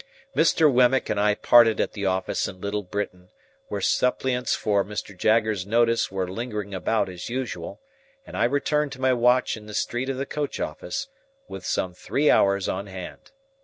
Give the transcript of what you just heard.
Mr. Wemmick and I parted at the office in Little Britain, where suppliants for Mr. Jaggers's notice were lingering about as usual, and I returned to my watch in the street of the coach office, with some three hours on hand.